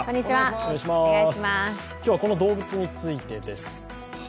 今日はこの動物についてです。